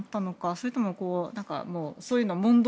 それとも、そういうのを問答